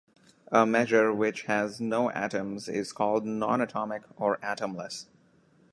A measure which has no atoms is called non-atomic or atomless.